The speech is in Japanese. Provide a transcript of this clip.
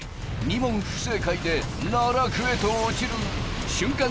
２問不正解で奈落へと落ちる瞬間